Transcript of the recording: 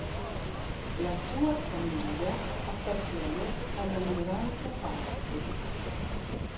La sua famiglia appartiene alla minoranza Parsi.